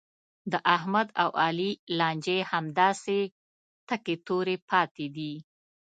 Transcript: د احمد او علي لانجې همداسې تکې تورې پاتې دي.